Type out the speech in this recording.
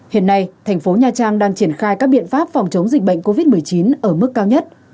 hiện nay thành phố nha trang đang triển khai các biện pháp phòng chống dịch bệnh covid một mươi chín ở mức cao nhất